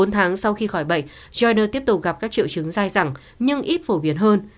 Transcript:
bốn tháng sau khi khỏi bệnh gener tiếp tục gặp các triệu chứng dài dẳng nhưng ít phổ biến hơn